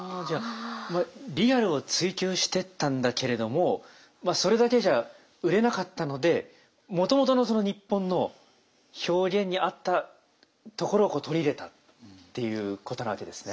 リアルを追求してったんだけれどもそれだけじゃ売れなかったのでもともとのその日本の表現に合ったところを取り入れたっていうことなわけですね。